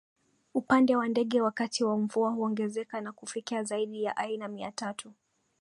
upande wa ndege wakati wa mvua huongezeka na kufikia zaidi ya aina mia tatu